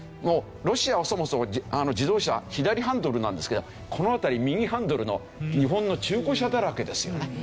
ロシアはそもそも自動車左ハンドルなんですけどこの辺り右ハンドルの日本の中古車だらけですよね。